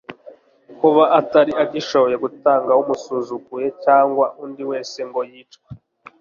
Kuba atari agishoboye gutanga umusuzuguye cyangwa undi wese ngo yicwe,